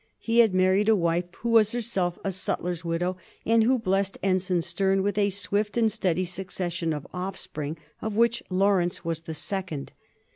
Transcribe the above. He had married a wife who was herself a sutler's widow, and who blessed Ensign Sterne with a swift and steady succession of offspring, of whom Laurence was the second.